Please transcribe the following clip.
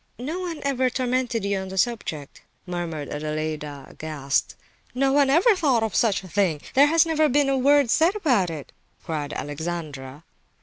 "No one ever tormented you on the subject," murmured Adelaida, aghast. "No one ever thought of such a thing! There has never been a word said about it!" cried Alexandra.